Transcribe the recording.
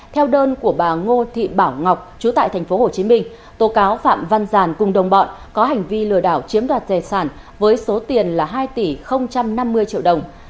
theo đơn của bà ngô thị bảo ngọc chú tại tp hcm tố cáo phạm văn giàn cùng đồng bọn có hành vi lừa đảo chiếm đoạt tài sản với số tiền là hai tỷ năm mươi triệu đồng